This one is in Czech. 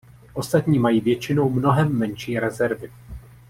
Ostatní mají většinou mnohem menší rezervy.